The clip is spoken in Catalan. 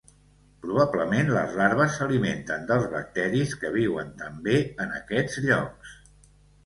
Probablement les larves s'alimenten dels bacteris que viuen també en aquests llocs.